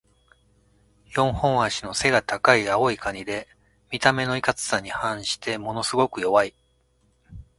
四本脚の背が高い青いカニで、見た目のいかつさに反してものすごく弱い。